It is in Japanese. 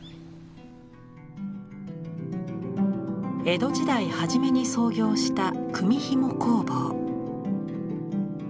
江戸時代初めに創業した組紐工房。